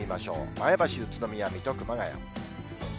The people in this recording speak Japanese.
前橋、宇都宮、水戸、熊谷。